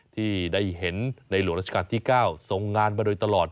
ที่ได้เห็นในหลวงราชการที่๙ทรงงานมาโดยตลอด